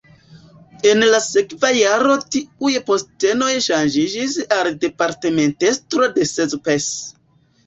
En la sekva jaro tiuj postenoj ŝanĝiĝis al departementestro de Szepes.